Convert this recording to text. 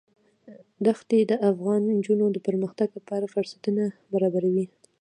ښتې د افغان نجونو د پرمختګ لپاره فرصتونه برابروي.